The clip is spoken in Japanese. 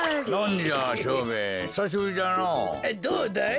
どうだい？